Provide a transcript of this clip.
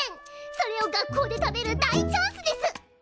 それを学校で食べる大チャンスです！